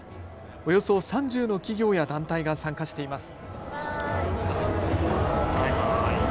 およそ３０の企業や団体が参加しています。